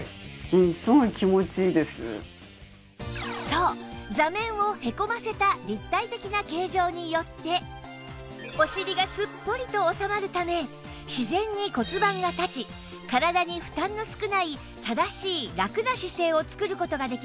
そう座面をへこませた立体的な形状によってお尻がすっぽりと収まるため自然に骨盤が立ち体に負担の少ない正しいラクな姿勢を作る事ができます